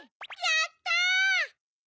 やった！